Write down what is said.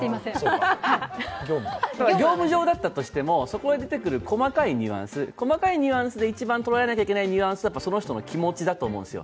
業務上だったとしてもそこに出てくる細かいニュアンス、一番捉えなきゃいけないニュアンスというのはその人の気持ちだと思うんですよ。